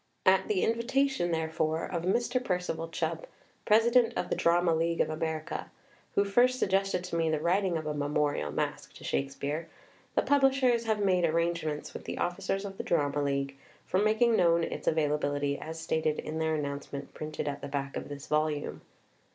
At the invitation, therefore, of Mr. Percival Chubb, President of the Drama League of America, who first suggested to me the writing of a Memorial Masque to Shakespeare, the publishers have made arrangements : New York, 1915, Macmillan. xxviii PREFACE with officers of the Drama League for making known its availability as stated in their announcement printed at the back of this volume.